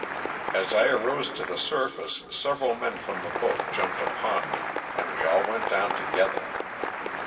As I arose to the surface several men from the boat jumped upon me and we all went down together.